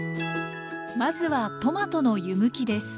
まずはトマトの湯むきです。